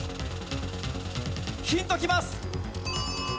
ヒントきます。